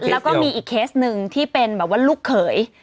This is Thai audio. แล้วก็มีอีกเคสหนึ่งที่เป็นแบบว่าลูกเขย